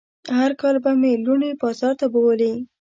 هر کال به مې لوڼې بازار ته بوولې.